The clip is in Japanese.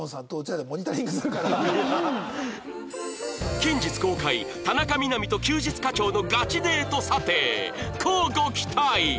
近日公開田中みな実と休日課長のガチデート査定乞うご期待